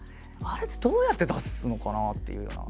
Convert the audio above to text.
あれってどうやって出すのかなっていうような。